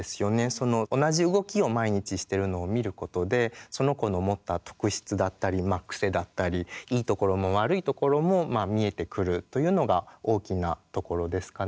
その同じ動きを毎日してるのを見ることでその子の持った特質だったりまあ癖だったりいいところも悪いところも見えてくるというのが大きなところですかね。